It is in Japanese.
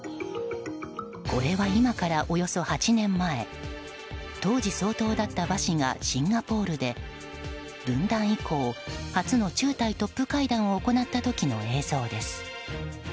これは今からおよそ８年前当時総統だった場氏がシンガポールで、分断以降初の中台トップ会談を行った時の映像です。